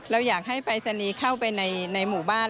เราอยากให้ปรายศนีย์เข้าไปในหมู่บ้าน